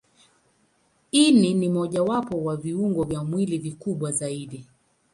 Ini ni mojawapo wa viungo vya mwili vikubwa zaidi.